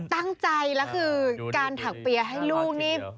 ตั้งใจแล้วคือการถักเปียร์ให้ลูกนี่